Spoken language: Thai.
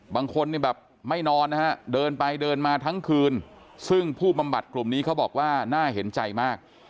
บางคนเนี่ยแบบไม่นอนนะฮะเดินไปเดินมาทั้งคืนซึ่งผู้บำบัดกลุ่มนี้เขาบอกว่าน่าเห็นใจมาก